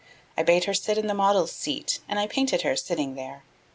I bade her sit in the model's seat And I painted her sitting there.